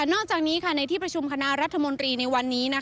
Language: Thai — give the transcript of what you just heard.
นอกจากนี้ในที่ประชุมคณะรัฐมนตรีในวันนี้